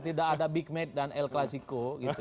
tidak ada big mate dan el clasico